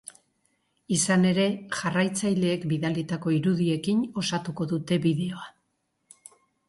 Izan ere, jarraitzaileek bidalitako irudiekin osatuko dute bideoa.